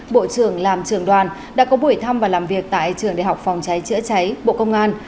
bộ trưởng làm trường đoàn đã có buổi thăm và làm việc tại trường đại học phòng cháy chữa cháy bộ công an